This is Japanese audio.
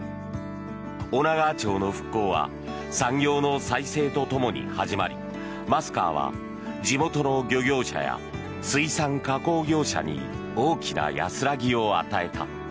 女川町の復興は産業の再生とともに始まりマスカーは地元の漁業者や水産加工業者に大きな安らぎを与えた。